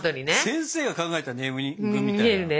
先生が考えたネーミングみたいな気がするよね。